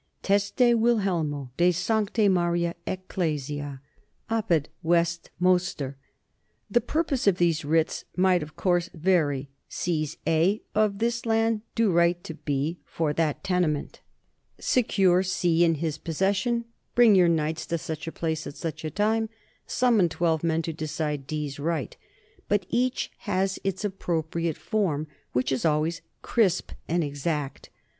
Teste Willelmo de Sancte Marie Ecclesia. Apud West moster. The purpose of these writs might, of course, vary seize A of this land; do right to B for that tenement; 1 Delisle, p. 166, from Madox, Exchequer, i, p. 390. THE NORMAN EMPIRE 99 secure C in his possession; bring your knights to such a place at such a time ; summon twelve men to decide D's right; but each has its appropriate form, which is always crisp and exact.